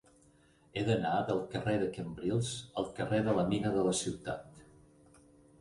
He d'anar del carrer de Cambrils al carrer de la Mina de la Ciutat.